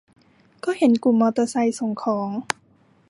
ก็เห็นกลุ่มมอเตอร์ไซค์ส่งของ